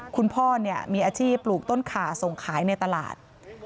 คุณพ่อมีอาชีพปลูกต้นขาส่งขายในตลาด